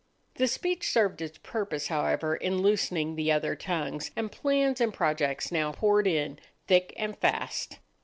The speech served its purpose, however, in loosening the other tongues, and plans and projects now poured in thick and fast.